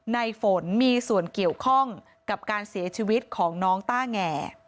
ในฝนมีส่วนเกี่ยวข้องกับการเสียชีวิตของน้องต้าแง่